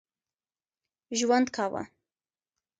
ژوند کاوه.